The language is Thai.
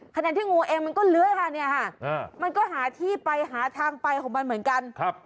ที่งูเองมันก็เลื้อยค่ะเนี่ยค่ะมันก็หาที่ไปหาทางไปของมันเหมือนกัน